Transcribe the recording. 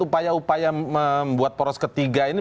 upaya upaya membuat poros ketiga ini